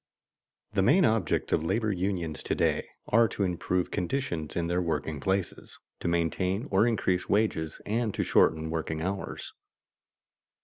_The main objects of labor unions to day are to improve conditions in their working places, to maintain or increase wages, and to shorten working hours.